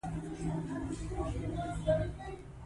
افغانستان د سمندر نه شتون په برخه کې نړیوالو بنسټونو سره کار کوي.